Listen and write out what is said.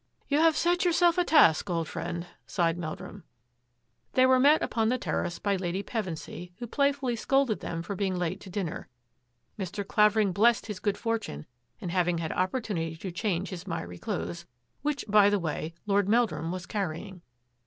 " You have set yourself a task, old friend," sighed Meldrum. They were met upon the terrace by Lady Pevensy, who playfully scolded them for being late to dinner. Mr. Clavering blessed his good fortune in having had opportunity to change his miry clothes, which, by the way, Lord Meldrum was carrying.